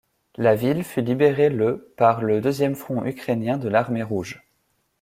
La ville fut libérée le par le deuxième front ukrainien de l'Armée rouge.